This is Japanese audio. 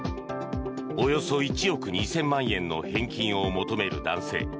およそ１億２０００万円の返金を求める男性。